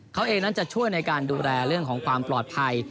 เขาเองนั้นจะช่วยในการดูแลเรื่องของความปลอดภัย